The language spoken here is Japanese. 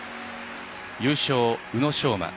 優勝、宇野昌磨。